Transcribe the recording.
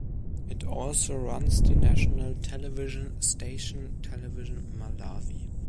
It also runs the national television station, Television Malawi.